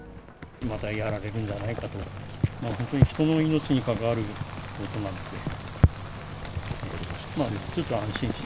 またやられるんじゃないかと、本当に人の命にかかわることなので。